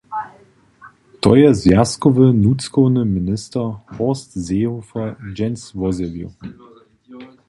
To je zwjazkowy nutřkowny minister Horst Seehofer dźensa wozjewił.